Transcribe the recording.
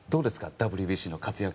ＷＢＣでの活躍。